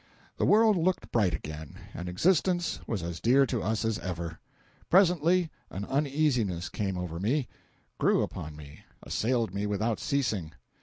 The world looked bright again, and existence was as dear to us as ever. Presently an uneasiness came over me—grew upon me—assailed me without ceasing.